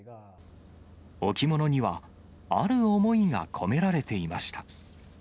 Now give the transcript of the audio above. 置物には、ある思いが込められていました。